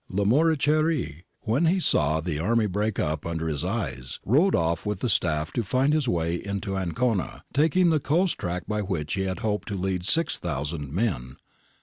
Lamoriciere, when he saw the army break up under his eyes, rode off with the staff to find his way into Ancona, taking the coast track by which he had hoped to lead 6000 men.